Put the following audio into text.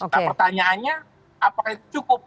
nah pertanyaannya apakah itu cukup